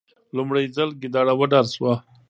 لومړی ځل ګیدړه وډار شوه.